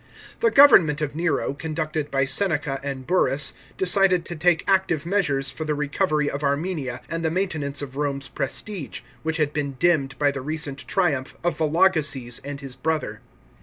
The government of Nero, conducted by Seneca and Burrus, decided to take active measures for the recovery of Armenia and the maintenance of Rome's prestige, which had been dimmed by the recent triumph of Vologeses and his b other.